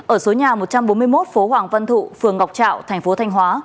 ở số nhà một trăm bốn mươi một phố hoàng văn thụ phường ngọc trạo tp thanh hóa